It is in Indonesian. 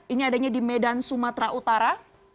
ini adanya di medan sumatera utara